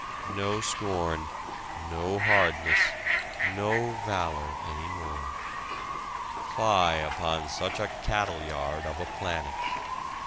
No scorn, no hardness, no valor any more! Fie upon such a cattleyard of a planet!"